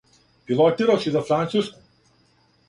Пилотираш ли за Француску?